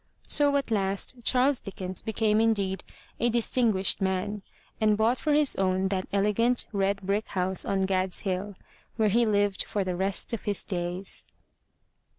So, at last, Charles Dickens became indeed a distinquished man," and bought for his own that elegant, red brick house on Gad's Hill, where he lived for the rest of his days.